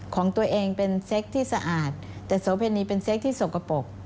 ของตัวเองเป็นเซ็กที่สะอาดแต่โสเพณีเป็นเค้กที่สกปรก